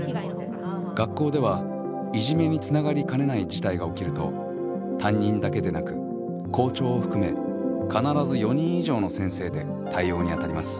学校ではいじめにつながりかねない事態が起きると担任だけでなく校長を含め必ず４人以上の先生で対応に当たります。